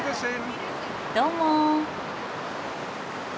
どうも。